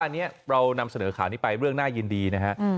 อันนี้เรานำเสนอข่าวนี้ไปเรื่องน่ายินดีนะฮะ